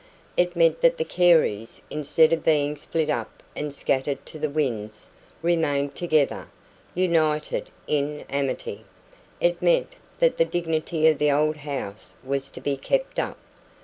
It meant that the Careys, instead of being split up and scattered to the winds, remained together, united in amity; it meant that the dignity of the old house was to be kept up.